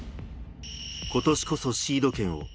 今年こそシード権を。